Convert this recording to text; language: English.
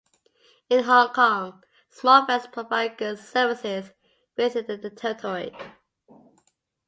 In Hong Kong, small vans provide goods services within the territory.